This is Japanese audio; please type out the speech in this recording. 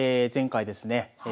前回ですね